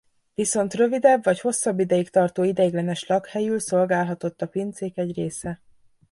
Viszont rövidebb vagy hosszabb ideig tartó ideiglenes lakhelyül szolgálhatott a pincék egy része.